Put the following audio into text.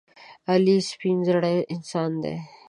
علي سپینزړی انسان دی.